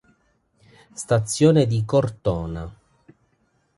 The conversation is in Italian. Stazione di Cortona